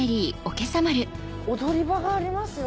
踊り場がありますよ